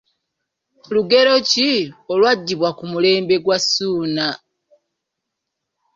Lugero ki olwaggibwa ku mulembe gwa Ssuuna I?